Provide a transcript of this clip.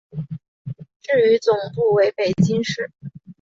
至于总部为北京市。